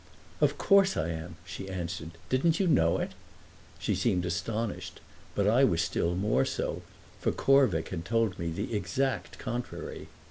"Of course I am!" she answered. "Didn't you know it?" She seemed astonished, but I was still more so, for Corvick had told me the exact contrary.